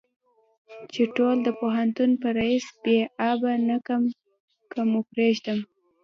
چې ټول د پوهنتون په ريس بې آبه نه کم که مو پرېدم.